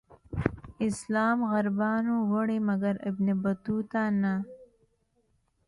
اسلام عربانو وړی مګر ابن بطوطه نه.